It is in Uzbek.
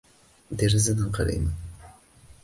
Derazadan qarayman